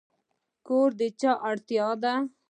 کور د چا اړتیا ده؟